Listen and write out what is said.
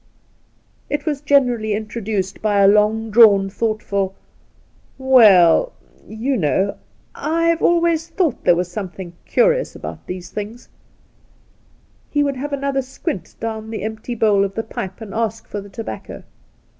It was generally introduced by a long drawn, thoughtful, ' We U, you know, I've always thought there was something curious about these things,' He would have another squint down the empty bowl of the pipe and ask for the tobacco.